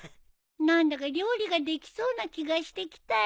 何だか料理ができそうな気がしてきたよ。